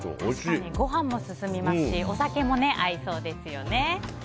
確かにご飯も進みますしお酒も合いそうですよね。